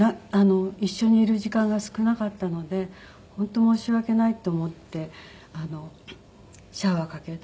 一緒にいる時間が少なかったので本当申し訳ないと思ってシャワーかける。